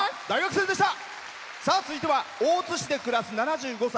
続いては、大津市で暮らす７５歳。